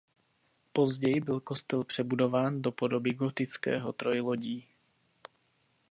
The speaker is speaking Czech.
Později byl kostel přebudován do podoby gotického trojlodí.